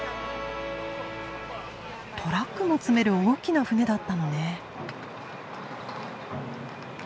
トラックも積める大きな船だったのね。